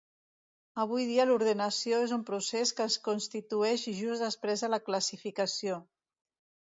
Avui dia l'ordenació és un procés que es constitueix just després de la classificació.